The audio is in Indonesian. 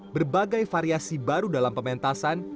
berbagai variasi baru dalam pementasan